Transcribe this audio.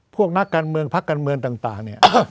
พวกนักการเมืองพักการเมืองต่างเนี่ย